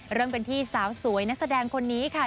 เริ่มกันที่สาวสวยนักแสดงคนนี้ค่ะ